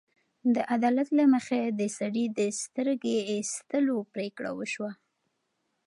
د عدالت له مخې د سړي د سترګې ایستلو پرېکړه وشوه.